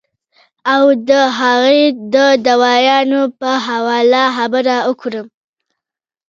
او د هغې د دوايانو پۀ حواله خبره اوکړم